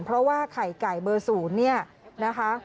เพราะว่าไข่ไก่เบอร์๐เนี่ยนะคะ